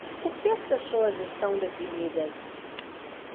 Por que as pessoas estão tão deprimidas?